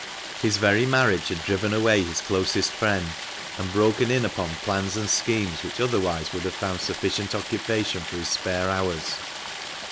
His very marriage had driven away his closest friend, and broken in upon plans and schemes which otherwise would have found sufficient occupation for his spare hours.